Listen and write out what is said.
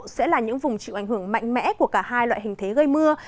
sẽ là những vùng chịu ảnh hưởng mạnh mẽ của cả hai loại hình thế gây mưa